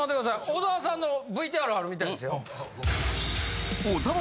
小沢さんのＶＴＲあるみたいですよ。